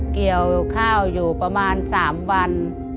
เกี่ยวข้าวอยู่ประมาณ๓วัน